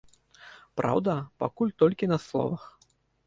Праўда, пакуль толькі на словах.